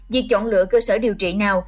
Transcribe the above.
việc chọn lựa cơ sở điều trị nào